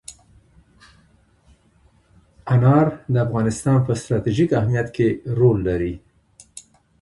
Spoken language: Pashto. انار د افغانستان په ستراتیژیک اهمیت کې رول لري.